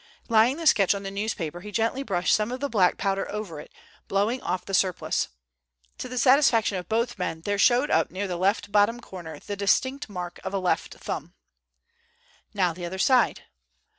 Laying the sketch on the newspaper he gently brushed some of the black powder over it, blowing off the surplus. To the satisfaction of both men, there showed up near the left bottom corner the distinct mark of a left thumb. "Now the other side."